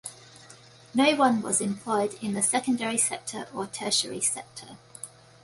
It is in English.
No one was employed in the secondary sector or tertiary sector.